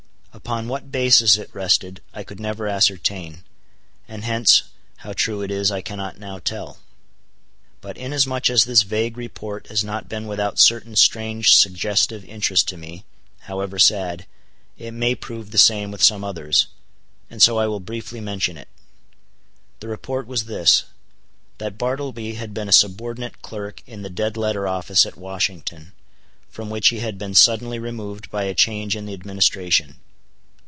Upon what basis it rested, I could never ascertain; and hence, how true it is I cannot now tell. But inasmuch as this vague report has not been without certain strange suggestive interest to me, however sad, it may prove the same with some others; and so I will briefly mention it. The report was this: that Bartleby had been a subordinate clerk in the Dead Letter Office at Washington, from which he had been suddenly removed by a change in the administration.